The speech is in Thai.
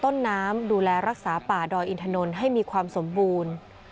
ต้นน้ำดูแลรักษาป่าดอยอินถนนให้มีความสมบูรณ์